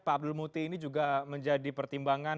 pak abdul muti ini juga menjadi pertimbangan